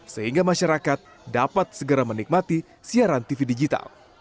sehingga masyarakat dapat segera menikmati siaran tv digital